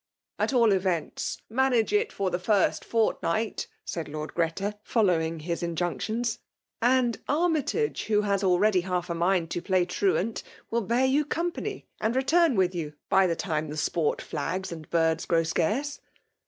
''At all events^ manage it for the first fort night/* said Lord Greta, following his injiinc tions ;'' a;nd Armytage, who has already half a mind to play truant, will bear you company and return with you, by the time the sport flags and birds grow scarce.